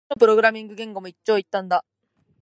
どのプログラミング言語も一長一短だ